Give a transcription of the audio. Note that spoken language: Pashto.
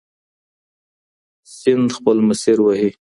سيند خپل مسير وهي.